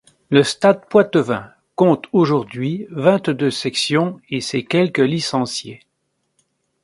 Le Stade Poitevin compte aujourd'hui vingt-deux sections et ses quelque licenciés.